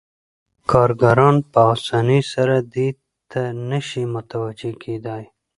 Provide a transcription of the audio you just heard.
کارګران په اسانۍ سره دې ته نشي متوجه کېدای